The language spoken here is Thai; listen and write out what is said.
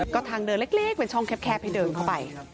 ก็ทางเดินเล็กเป็นช่องแคบให้เดินเข้าไป